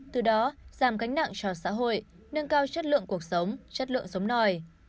từ đó giảm gánh nặng cho xã hội nâng cao chất lượng cuộc sống chất lượng sống nòi